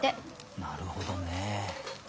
なるほどねえ。